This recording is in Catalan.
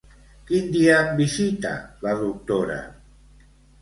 Quin dia em visita la doctora?